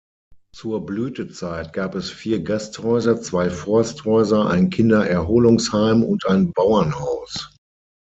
Zur Blütezeit gab es vier Gasthäuser, zwei Forsthäuser, ein Kindererholungsheim und ein Bauernhaus.